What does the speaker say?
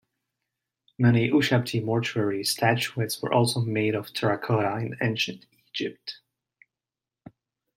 Many ushabti mortuary statuettes were also made of terracotta in Ancient Egypt.